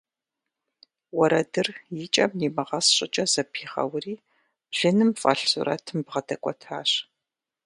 Уэрэдыр и кӀэм нимыгъэс щӀыкӀэ зэпигъэури, блыным фӀэлъ сурэтым бгъэдэкӀуэтащ.